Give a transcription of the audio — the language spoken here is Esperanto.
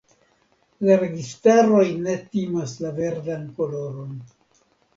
La registaroj ne timas la verdan koloron.